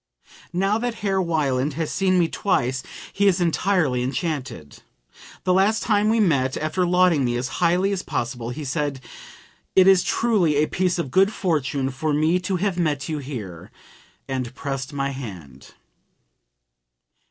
"Now that Herr Wieland has seen me twice he is entirely enchanted. The last time we met, after lauding me as highly as possible, he said, 'It is truly a piece of good fortune for me to have met you here,' and pressed my hand."